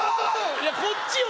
いやこっちよ